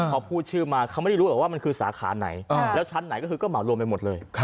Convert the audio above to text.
พอพูดชื่อมาเขาไม่ได้รู้หรอกว่ามันคือสาขาไหนแล้วชั้นไหนก็คือก็เหมารวมไปหมดเลย